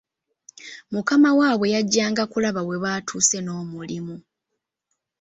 Mukama waabwe yajjanga kulaba webatuuse n'omulimu.